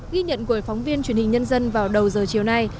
ghi nhận của phóng viên truyền hình nhân dân vào đầu giờ chiều nay